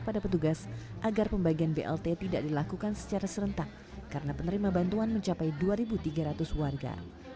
kepada petugas agar pembagian blt tidak dilakukan secara serentak karena penerima bantuan mencapai dua tiga ratus warga